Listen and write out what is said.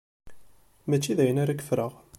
Mačči d ayen ara k-ffreɣ.